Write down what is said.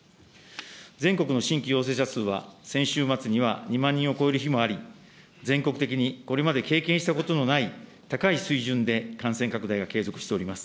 全国の新規陽性者数は、先週末には２万人を超える日もあり、全国的にこれまで経験したことのない高い水準で感染拡大が継続しております。